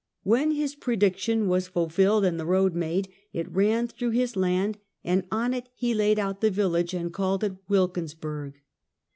"When his prediction was fulfilled and the road made, it ran through his land, and on it he laid out the village and called it Wilkinsburg.